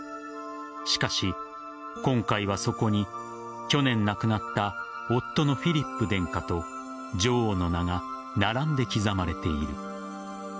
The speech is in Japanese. しかし今回はそこに去年亡くなった夫のフィリップ殿下と女王の名が並んで刻まれている。